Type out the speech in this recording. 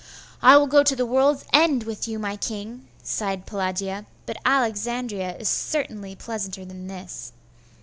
'I will go to the world's end with you, my king!' sighed Pelagia; 'but Alexandria is certainly pleasanter than this.